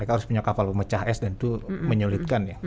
harus punya kapal mecah es dan itu menyulitkan ya